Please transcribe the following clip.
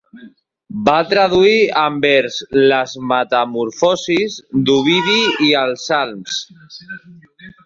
Va traduir en vers les Metamorfosis d'Ovidi i els Salms.